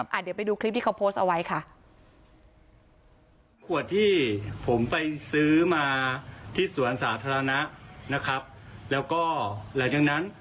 เดี๋ยวไปดูคลิปที่เขาโพสต์เอาไว้ค่ะ